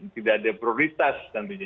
tidak ada prioritas nantinya